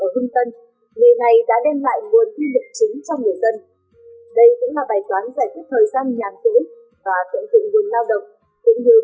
và tượng trị nguồn lao động cũng như nguồn nguyên liệu sẵn có của địa phương